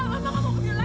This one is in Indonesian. ma buka pintunya ma